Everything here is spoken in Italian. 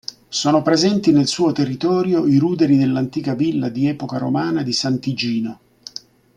Sono presenti nel suo territorio i ruderi dell'antica villa di epoca romana di Sant'Igino.